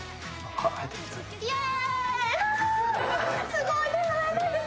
すごい。手洗えないです。